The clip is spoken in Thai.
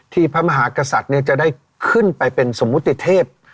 พระมหากษัตริย์จะได้ขึ้นไปเป็นสมมุติเทพ